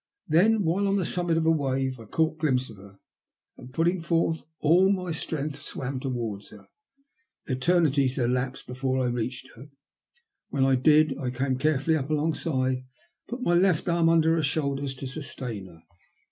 Then, while on the summit of a wave, I caught a glimpse of her, and, putting forth all my A STRANGE COINCIDENCE. 128 strength, swam towards her. Eternities elapsed before I reached her. When I did I came carefully up along side, and put my left arm under her shoulders to sustain her.